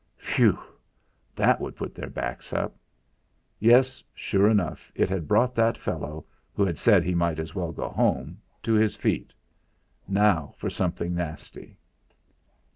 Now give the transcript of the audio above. Phew! That would put their backs up. Yes, sure enough it had brought that fellow, who had said he might as well go home, to his feet! Now for something nasty!